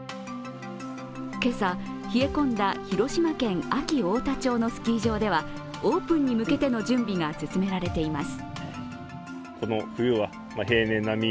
今朝冷え込んだ広島県安芸太田町のスキー場ではオープンに向けての準備が進められています。